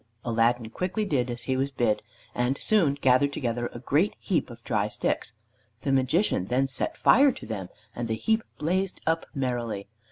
Aladdin quickly did as he was bid, and had soon gathered together a great heap of dry sticks. The Magician then set fire to them, and the heap blazed up merrily.